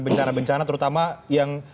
bencana bencana terutama yang